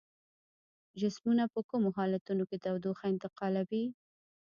جسمونه په کومو حالتونو کې تودوخه انتقالوي؟